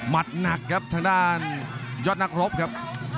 หนักครับทางด้านยอดนักรบครับ